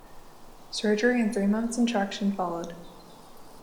Surgery and three months in traction followed.